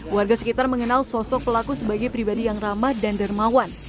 warga sekitar mengenal sosok pelaku sebagai pribadi yang ramah dan dermawan